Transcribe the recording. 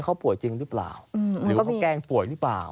เขาป่วยจริงหรือเปล่าหรือว่าเขาแกล้งป่วยหรือเปล่า